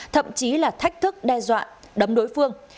thậm chí là thách thức đe dọa đấm đối phương